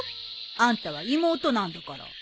あんたは妹なんだから。